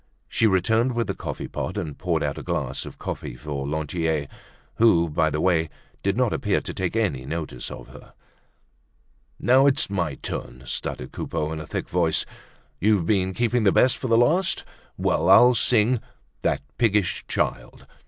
She returned with the coffee pot and poured out a glass of coffee for Lantier, who, by the way, did not appear to take any notice of her. "Now, it's my turn," stuttered Coupeau, in a thick voice. "You've been keeping the best for the last. Well! I'll sing you 'That Piggish Child.